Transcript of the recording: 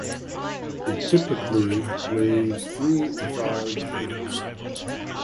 It typically lays three to five eggs.